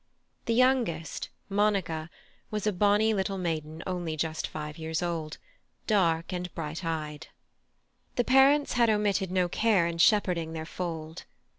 The youngest, Monica, was a bonny little maiden only just five years old, dark and bright eyed. The parents had omitted no care in shepherding their fold.